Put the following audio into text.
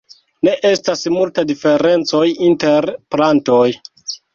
Ne estas multa diferencoj inter plantoj.